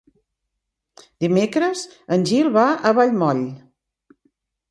Dimecres en Gil va a Vallmoll.